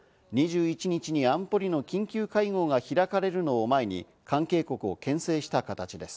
２１日に安保理の緊急会合が開かれるのを前に関係国をけん制した形です。